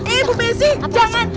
eh bu mensi jangan